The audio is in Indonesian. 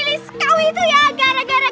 lilis kau itu ya gara gara